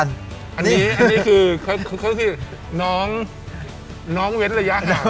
อันนี้คือน้องเว้นระยะห่าง